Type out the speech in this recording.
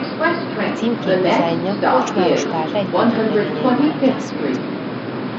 A címkék dizájnja Korcsmáros Pál Rejtő-képregényei nyomán készült.